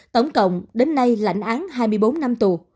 tổng cộng đến nay lãnh án hai mươi bốn năm tù